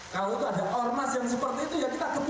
kalau itu ada ormas yang seperti itu ya kita ketemu